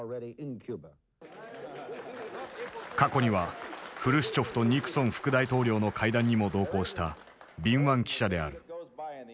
過去にはフルシチョフとニクソン副大統領の会談にも同行した敏腕記者である。